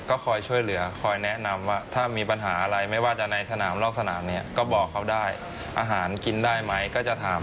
ก็คอยช่วยเหลือคอยแนะนำว่าถ้ามีปัญหาอะไรไม่ว่าจะในสนามนอกสนามเนี่ยก็บอกเขาได้อาหารกินได้ไหมก็จะถาม